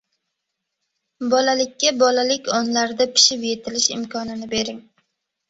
Bolalikka bolalik onlarida pishib yetilish imkonini bering.